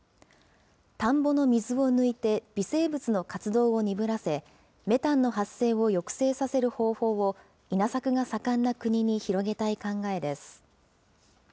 田んぼの水を抜いて微生物の活動を鈍らせ、メタンの発生を抑制させる方法を稲作が盛んな国に広げたい考えです。